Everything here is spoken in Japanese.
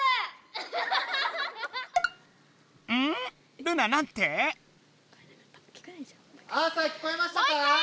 アーサー聞こえましたか？